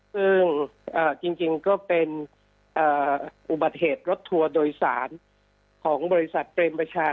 ซึ่งจริงก็เป็นอุบัติเหตุรถทัวร์โดยสารของบริษัทเปรมประชา